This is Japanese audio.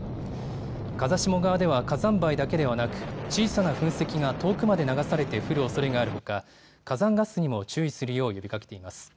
風下側では火山灰だけではなく小さな噴石が遠くまで流されて降るおそれがあるほか火山ガスにも注意するよう呼びかけています。